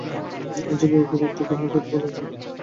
এর জবাবে খুব-একটা গম্ভীর কথাই বলতে হল যা চায়ের টেবিলে বলা চলে না।